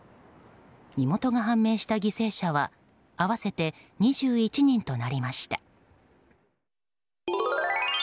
身元が判明した犠牲者は合わせて２１人となりました。